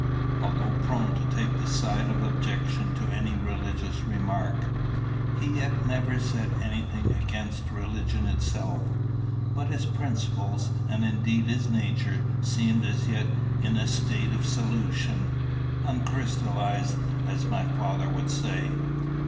Although prone to take the side of objection to any religious remark, he yet never said any thing against religion itself. But his principles, and indeed his nature, seemed as yet in a state of solution, uncrystallized, as my father would say.